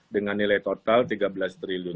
dengan nilai total tiga belas triliun